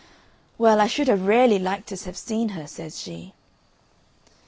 "Well I should have rarely liked to have seen her," says she.